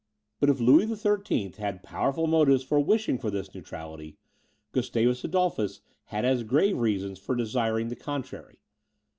But if Louis XIII. had powerful motives for wishing for this neutrality, Gustavus Adolphus had as grave reasons for desiring the contrary.